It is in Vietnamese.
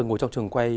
ngồi trong trường quay